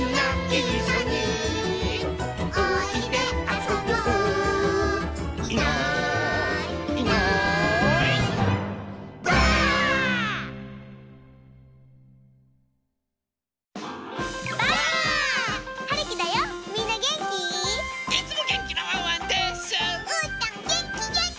うーたんげんきげんき！